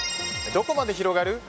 どこまで広がる？